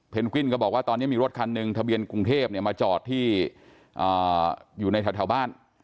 วิ้นก็บอกว่าตอนนี้มีรถคันหนึ่งทะเบียนกรุงเทพมาจอดที่อยู่ในแถวบ้าน